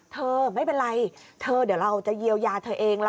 เธอไม่เป็นไรเธอเดี๋ยวเราจะเยียวยาเธอเองล่ะ